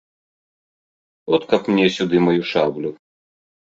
От, каб мне сюды маю шаблю!